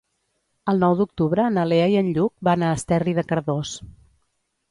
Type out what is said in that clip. El nou d'octubre na Lea i en Lluc van a Esterri de Cardós.